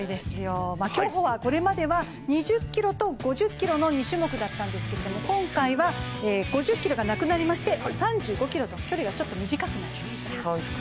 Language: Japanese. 競歩はこれまでは２０ｋｍと５０ｋｍの２種目だったんですが今回は、５０ｋｍがなくなりまして３５ｋｍと、距離がちょっと短くなりました。